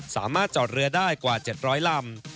สามารถจอดเรือได้กว่า๗๐๐ลำ